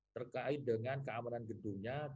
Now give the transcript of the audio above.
terkait dengan keamanan gedungnya